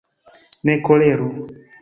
Ne koleru!